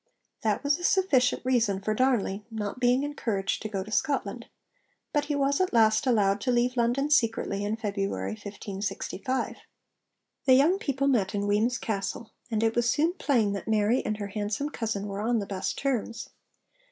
That was a sufficient reason for Darnley not being encouraged to go to Scotland; but he was at last allowed to leave London secretly in February 1565. The young people met in Wemyss Castle, and it was soon plain that Mary and her handsome cousin were on the best terms.